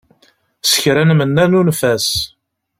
S kra nmenna, nunef-as.